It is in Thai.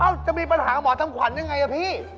จะมีปัญหาหมอทำขวัญยังไงอ่ะพี่